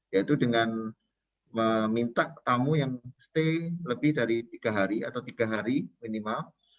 yaitu dengan meminta tamu yang stay lebih dari tiga hari atau tiga hari minimal